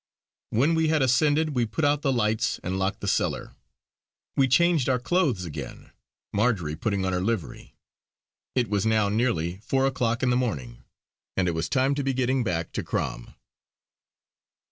When we had ascended, we put out the lights and locked the cellar. We changed our clothes again, Marjory putting on her livery; it was now nearly four o'clock in the morning, and it was time to be getting back to Crom.